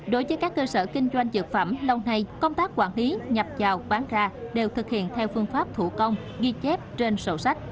đối với các cơ sở kinh doanh dược phẩm lâu nay công tác quản lý nhập chào bán ra đều thực hiện theo phương pháp thủ công ghi chép trên sổ sách